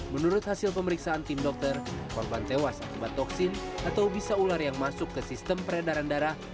menurut hasil pemeriksaan tim dokter korban tewas akibat toksin atau bisa ular yang masuk ke sistem peredaran darah